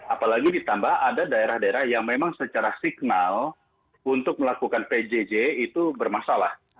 apalagi ditambah ada daerah daerah yang memang secara signal untuk melakukan pjj itu bermasalah